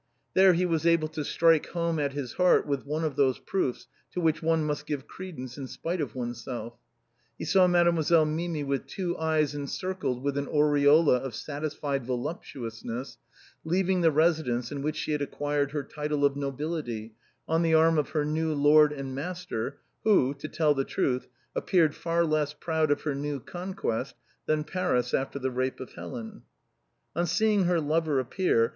There he was able to strike home at his heart with one of those proofs to which one must give credence in spite of oneself. He saw Made moiselle Mimi, with two eyes encircled with an aureola of satisfied voluptuousness, leaving the residence in which she had acquired her title of nobility, on the arm of her new lord and master, who, to tell the truth, appeared far less MADEMOISELLE MIMI. 171 proud of his new conquest than Paris after the rape of Helen. On seeing her lover appear.